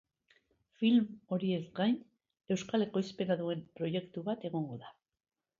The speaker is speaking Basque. Film horiez gain, euskal ekoizpena duen proiektu bat egongo da.